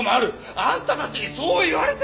あんたたちにそう言われて！